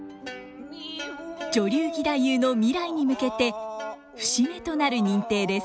女流義太夫の未来に向けて節目となる認定です。